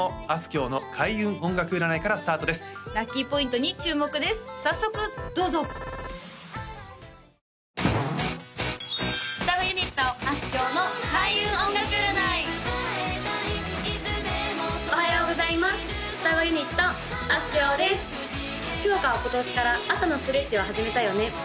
きょうかは今年から朝のストレッチを始めたよね？